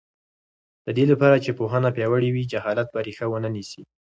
د دې لپاره چې پوهنه پیاوړې وي، جهالت به ریښه ونه نیسي.